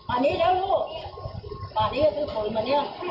อันนี้แล้วลูกอันนี้ก็ซื้อปืนมาเนี่ย